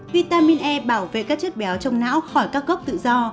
vitamin e bảo vệ các chất béo trong não khỏi các gốc tự do